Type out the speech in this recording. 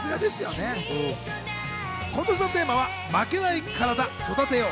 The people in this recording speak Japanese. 今年のテーマは「負けないカラダ、育てよう」。